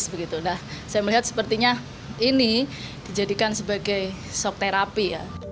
saya melihat sepertinya ini dijadikan sebagai sok terapi